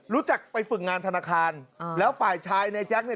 รู้จักไปฝึกงานธนาคารแล้วฝ่ายชายในแจ๊คเนี่ย